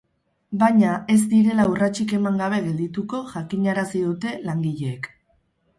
Baina, ez direla urratsik eman gabe geldituko jakinarazi dute langileek.